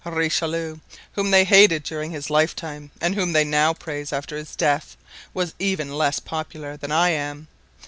"Richelieu, whom they hated during his lifetime and whom they now praise after his death, was even less popular than I am.